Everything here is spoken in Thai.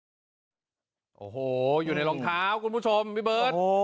ครับอยู่ในรองเท้าโอ้โหอยู่ในรองเท้าคุณผู้ชมพี่เบิร์ตโอ้โห